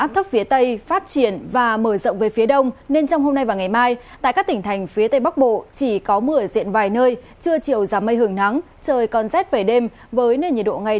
tại tây nguyên mức nhiệt độ thấp nhất duy trì trong ngưỡng một mươi tám đến hai mươi một độ